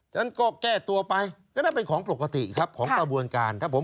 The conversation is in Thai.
ฉะนั้นก็แก้ตัวไปก็นั่นเป็นของปกติครับของกระบวนการถ้าผม